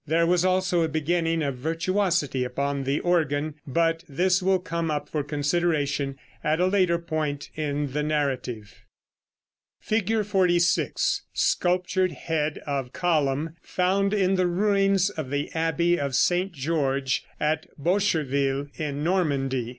There was also a beginning of virtuosity upon the organ, but this will come up for consideration at a later point in the narrative. [Illustration: Fig. 46. SCULPTURED HEAD OF COLUMN, FOUND IN THE RUINS OF THE ABBEY OF ST. GEORGE, AT BOSCHERVILLE, IN NORMANDY.